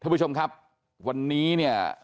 ผู้ชมครับวันนี้เนี่ย